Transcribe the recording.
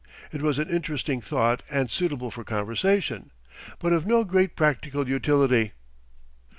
It was an interesting thought and suitable for conversation, but of no great practical utility.